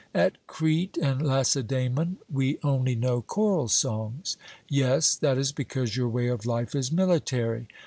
'At Crete and Lacedaemon we only know choral songs.' Yes; that is because your way of life is military.